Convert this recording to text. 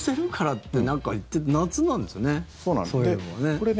そういうのはね。